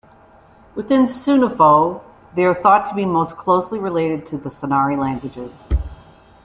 Within Senufo they are thought to be most closely related to the Senari languages.